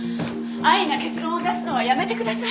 安易な結論を出すのはやめてください。